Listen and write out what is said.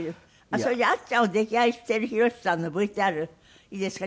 それであっちゃんを溺愛してるヒロシさんのＶＴＲいいですか？